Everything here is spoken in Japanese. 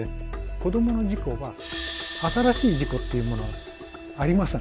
子どもの事故は新しい事故っていうものはありません。